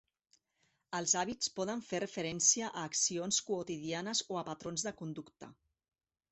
Els hàbits poden fer referència a accions quotidianes o a patrons de conducta.